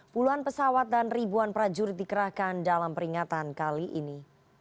puluhan pesawat dan ribuan prajurit dikerahkan dalam peringatan kali ini